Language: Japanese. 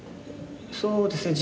そうですね